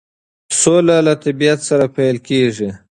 سوله له طبیعت سره پیل کیږي.